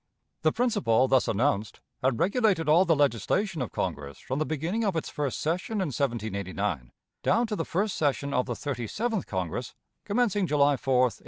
The principle thus announced had regulated all the legislation of Congress from the beginning of its first session in 1789 down to the first session of the Thirty seventh Congress, commencing July 4, 1861.